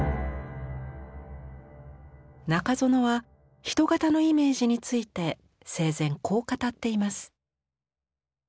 中園は人型のイメージについて生前こう語っています。